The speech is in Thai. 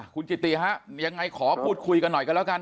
คุณกิติฮะยังไงขอพูดคุยกันหน่อยกันแล้วกัน